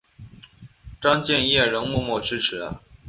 詹建业仍默默支持。